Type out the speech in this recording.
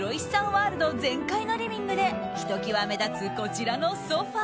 ワールド全開のリビングでひと際目立つこちらのソファ。